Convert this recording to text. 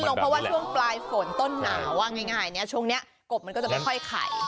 ช่วงปลายฝนต้นหนาวะง่ายช่วงนี้กบมันก็จะไม่ค่อยไข